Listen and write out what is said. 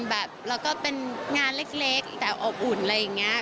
แบบแล้วก็เป็นงานเล็กแต่อบอุ่นอะไรอย่างนี้